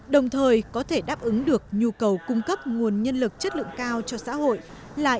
đồng thời có thể đáp ứng được nhu cầu cung cấp nguồn nhân lực chất lượng cao cho xã hội là yếu tố sống còn của các nhà trường